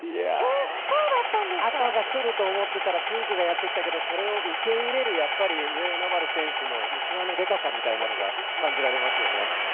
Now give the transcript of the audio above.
赤がくると思ってたらピンクがやってきたけどそれを受け入れる上与那原選手の器のでかさみたいなのが感じられますよね。